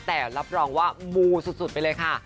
แต่รับรองว่ามูสุดไปเลยค่ะ